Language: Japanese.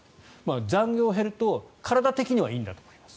残業が減ると体的にはいいんだと思います。